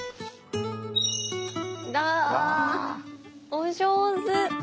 お上手！